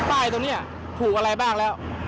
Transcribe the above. ป้ายตรงนี้ถูกอะไรบ้างแล้ว